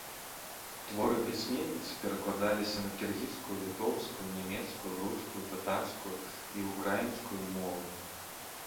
Творы пісьменніцы перакладаліся на кіргізскую, літоўскую, нямецкую, рускую, татарскую і ўкраінскую мовы.